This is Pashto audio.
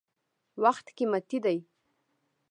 • وخت قیمتي دی.